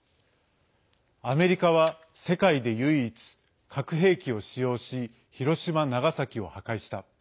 アメリカは世界で唯一核兵器を使用し広島・長崎を破壊した。